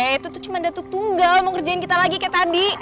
itu tuh cuma datuk tunggal mau ngerjain kita lagi kayak tadi